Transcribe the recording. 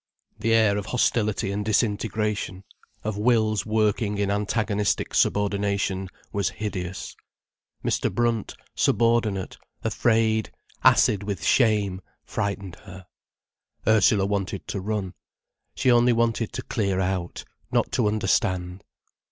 The air of hostility and disintegration, of wills working in antagonistic subordination, was hideous. Mr. Brunt, subordinate, afraid, acid with shame, frightened her. Ursula wanted to run. She only wanted to clear out, not to understand.